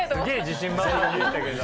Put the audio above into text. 自信満々で言ったけど。